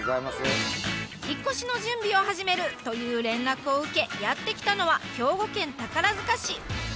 「引っ越しの準備を始める！」という連絡を受けやって来たのは兵庫県宝塚市。